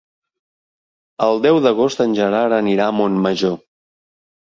El deu d'agost en Gerard anirà a Montmajor.